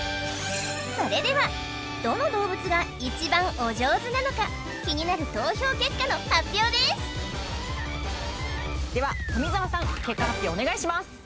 それではどの動物が一番お上手なのか気になる投票結果の発表ですでは富澤さん結果発表お願いします